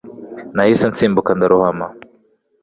Nahise nsimbuka ndarohama